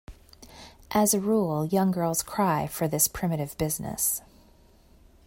As a rule young girls cry for this primitive business.